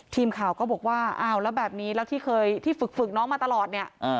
ทีมข่าวก็บอกว่าอ้าวแล้วแบบนี้แล้วที่เคยที่ฝึกฝึกน้องมาตลอดเนี่ย